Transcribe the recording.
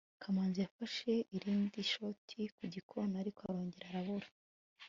kamanzi yafashe irindi shoti ku gikona, ariko arongera arabura